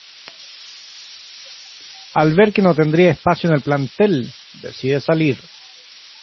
Al ver que no tendría espacio en el plantel, decide salir.